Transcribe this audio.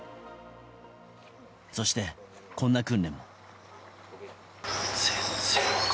そして、こんな訓練も。